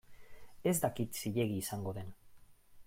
Ez dakit zilegi izango den.